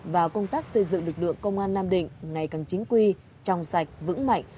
và công tác xây dựng lực lượng công an nam định ngày càng chính quy trong sạch vững mạnh